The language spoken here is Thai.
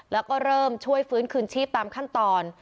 แล้วก็เริ่มช่วยฟื้นคืนชีพตามขั้นตอน